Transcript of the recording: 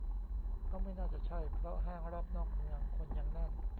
ก็ไม่น่าจะใช่เพราะห้างรอบนอกเมืองคนยังแน่น